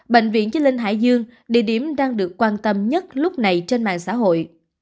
bệnh viện chi linh hải dương địa điểm đang được quan tâm nhất lúc này trên mạng xã hội